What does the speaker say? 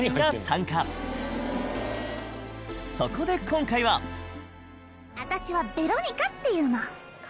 そこで、今回はあたしは、ベロニカっていうの。